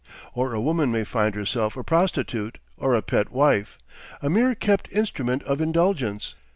Or a woman may find herself a prostitute or a pet wife, a mere kept instrument of indulgence.